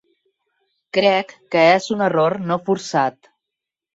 Crec que és un error no forçat.